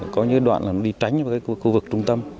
có những đoạn nó đi tránh vào khu vực trung tâm